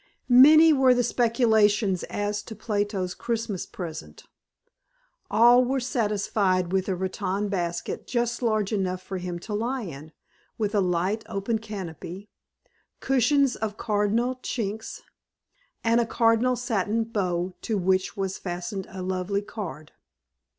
Many were the speculations as to Plato's Christmas present. All were satisfied with a rattan basket just large enough for him to lie in, with a light open canopy, cushions of cardinal chintz, and a cardinal satin bow to which was fastened a lovely card.